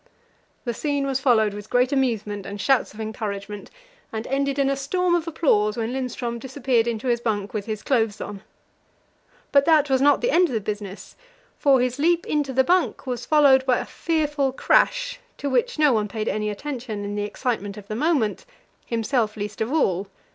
The scene was followed with great amusement and shouts of encouragement, and ended in a storm of applause when Lindström disappeared into his bunk with his clothes on. But that was not the end of the business, for his leap into the bunk was followed by a fearful crash, to which no one paid any attention in the excitement of the moment, himself least of all.